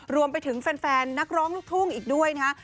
รวมไปถึงแฟนนักร้องลูกทุ่งอีกด้วยนะฮะ